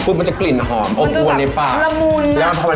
ลูกชิ้นปลาสลงน้ำแตก